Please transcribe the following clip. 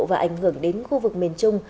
và ảnh hưởng đến khu vực miền trung